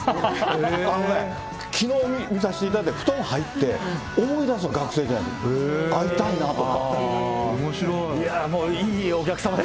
あのね、きのう見させていただいて、布団入って、思い出すの、学生時代のこと、会いたいなとか。